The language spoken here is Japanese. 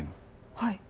はい。